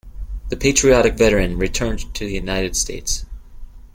The patriotic veteran returned to the United States.